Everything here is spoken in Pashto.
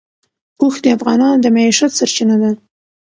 اوښ د افغانانو د معیشت سرچینه ده.